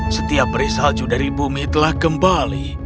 setiap perisalju dari bumi telah kembali